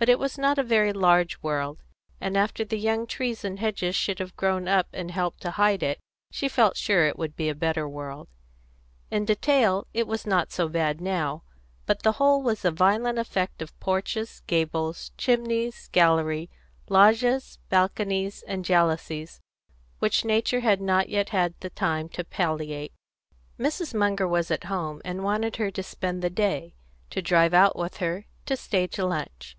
But it was not a very large world, and after the young trees and hedges should have grown up and helped to hide it, she felt sure that it would be a better world. In detail it was not so bad now, but the whole was a violent effect of porches, gables, chimneys, galleries, loggias, balconies, and jalousies, which nature had not yet had time to palliate. Mrs. Munger was at home, and wanted her to spend the day, to drive out with her, to stay to lunch.